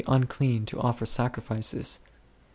37i unclean to offer sacrifices ?